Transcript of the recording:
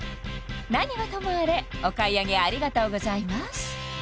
何はともあれお買い上げありがとうございます